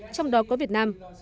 trong đó có việt nam